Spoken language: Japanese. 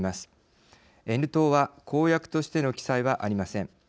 Ｎ党は公約としての記載はありません。